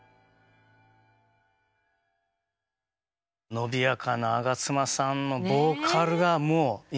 伸びやかな上妻さんのボーカルがもう印象的です。